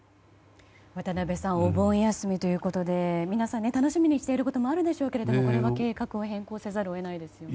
渡辺さん、お盆休みで皆さん楽しみにしていることも多いと思いますがこれは計画を変更せざるを得ないですね。